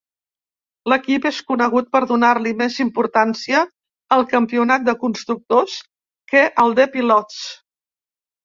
L'equip és conegut per donar-li més importància al campionat de constructors que al de pilots.